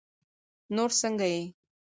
نور سنګه یی